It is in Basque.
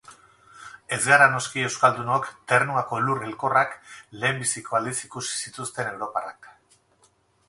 Ez gara noski euskaldunok Ternuako lur elkorrak lehenbiziko aldiz ikusi zituzten europarrak.